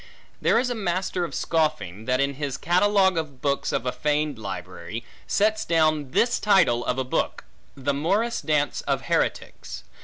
There is a master of scoffing, that in his catalogue of books of a feigned library, sets down this title of a book, The Morris Dance of Heretics.